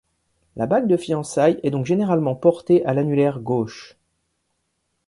La bague de fiançailles est donc généralement portée à l'annulaire gauche.